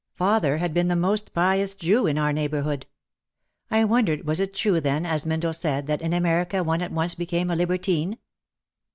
Father had been the most pious Jew in our neighbourhood. I wondered was it true then as Mindle said that "in Amer ica one at once became a libertine"?